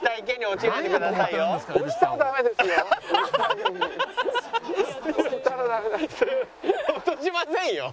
落としませんよ。